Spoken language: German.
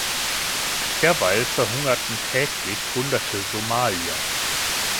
Derweil verhungerten täglich hunderte Somalier.